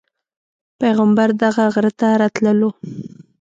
پیغمبر دغه غره ته راتللو.